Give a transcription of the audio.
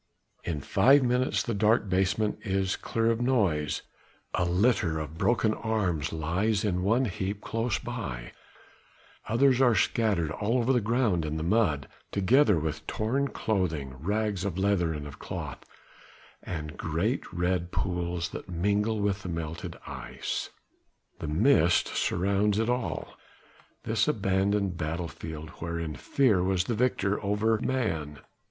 In five minutes the dark basement is clear of noise a litter of broken arms lies in one heap close by, others are scattered all over the ground in the mud, together with torn clothing, rags of leather and of cloth and great red pools that mingle with the melted ice. The mist surrounds it all, this abandoned battle field wherein fear was the victor over man.